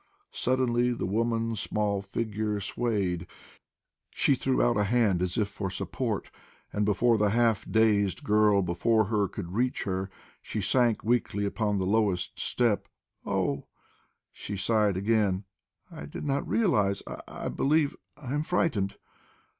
Suddenly the woman's small figure swayed; she threw out a hand as if for support and, before the half dazed girl before her could reach her, she sank weakly upon the lowest step. "Oh!" she sighed again. "I did not realise I I believe I am frightened!"